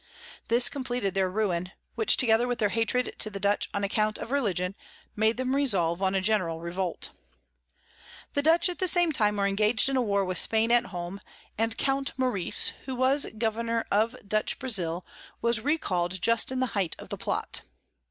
This compleated their Ruin; which, together with their Hatred to the Dutch on account of Religion, made them resolve on a general Revolt. The Dutch at the same time were engag'd in a War with Spain at home, and Count Maurice, who was Governour of Dutch Brazile, was recall'd just in the height of the Plot.